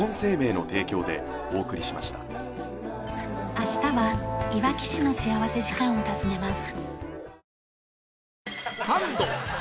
明日はいわき市の幸福時間を訪ねます。